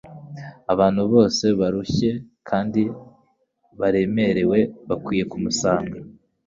Abantu bose barushye kandi baremerewe bakwiye kumusanga.